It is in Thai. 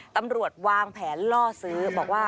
ตำรวจวางแผนล่อซื้อ